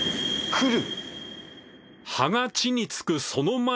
来る！